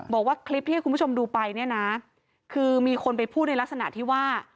บอกว่าคลิปที่ให้คุณผู้ชมดูไปเนี่ยนะคือมีคนไปพูดในลักษณะที่ว่า